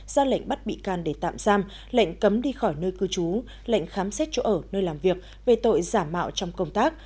ra lệnh bắt bị can để tạm giam lệnh cấm đi khỏi nơi cư trú lệnh khám xét chỗ ở nơi làm việc về tội giả mạo trong công tác